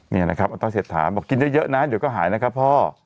นี่นะครับอาต้อยเศรษฐาบอกกินเยอะนะเดี๋ยวก็หายนะครับพ่อ